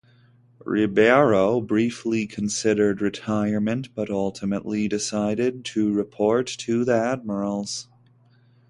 Ribeiro briefly considered retirement, but ultimately decided to report to the Admirals.